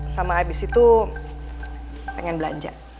sama habis itu pengen belanja